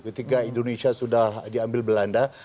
ketika indonesia sudah diambil belanda